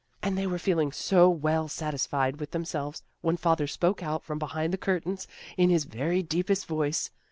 And they were feeling so well satisfied with themselves, when father spoke out from behind the curtains, in his very deepest voice.